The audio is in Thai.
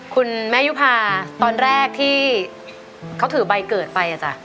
คุณแม่ยุภาตอนแรกที่เขาถือใบเกิดไปอ่ะจ้ะ